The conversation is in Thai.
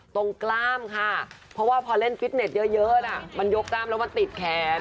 กล้ามค่ะเพราะว่าพอเล่นฟิตเน็ตเยอะนะมันยกกล้ามแล้วมันติดแขน